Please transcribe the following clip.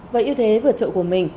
với yêu thế vượt trội của mình